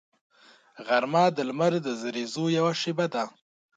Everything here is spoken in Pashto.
غرمه د لمر د زریزو یوه شیبه ده